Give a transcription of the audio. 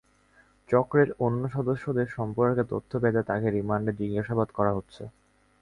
চক্রের অন্য সদস্যদের সম্পর্কে তথ্য পেতে তাঁকে রিমান্ডে জিজ্ঞাসাবাদ করা হচ্ছে।